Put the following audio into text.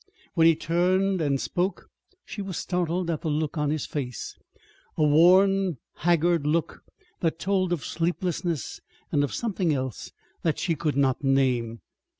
When he turned and spoke, she was startled at the look on his face a worn, haggard look that told of sleeplessness and of something else that she could not name.